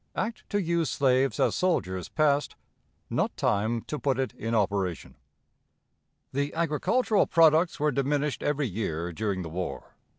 Act to use Slaves as Soldiers passed. Not Time to put it in Operation. The agricultural products were diminished every year during the war.